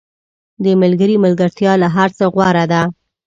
• د ملګري ملګرتیا له هر څه غوره ده.